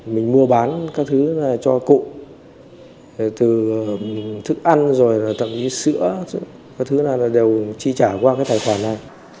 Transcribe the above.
mình mua bán các thứ này cho cụ từ thức ăn rồi tậm chí sữa các thứ này đều chi trả qua tài khoản này